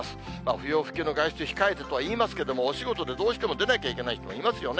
不要不急の外出は控えるとはいいますけれども、お仕事でどうしても出なきゃいけない人もいますよね。